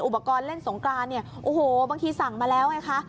อุปกรณ์เล่นสงกรานบางทีสั่งมาแล้วไงคะ